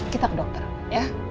kita ke dokter ya